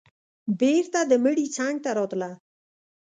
بېرته د مړي څنگ ته راتله.